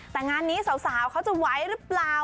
แต่งานนี้สาวเขาจะไหวหรือเปล่า